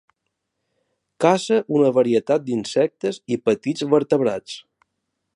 Caça una varietat d'insectes i petits vertebrats.